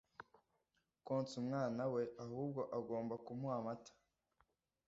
konsa umwana we ahubwo agomba kumuha amata